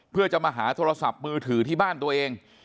เพื่อจะมาหาโทรศัพท์มือถือที่บ้านตัวเอง